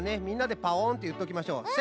みんなでパオンっていっときましょう。